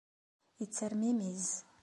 Yettermimiz.